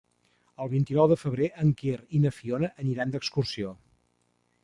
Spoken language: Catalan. El vint-i-nou de febrer en Quer i na Fiona aniran d'excursió.